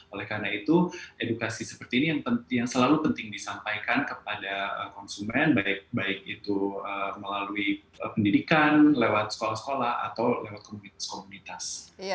oleh karena itu edukasi seperti ini yang selalu penting disampaikan kepada konsumen baik itu melalui pendidikan lewat sekolah sekolah atau lewat komunitas komunitas